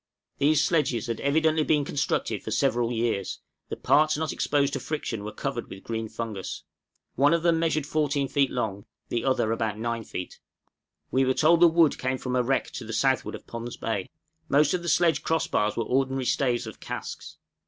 These sledges had evidently been constructed for several years, the parts not exposed to friction were covered with green fungus: one of them measured 14 feet long, the other about 9 feet; we were told the wood came from a wreck to the southward of Pond's Bay. Most of the sledge cross bars were ordinary staves of casks.